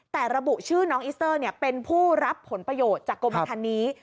แต่ระบุชื่อน้องอิสเตอร์เป็นผู้รับผลประโยชน์จากกรมทันนี้